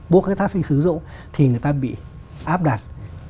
bố khách tháp phim sử dụng thì người ta bị áp đặt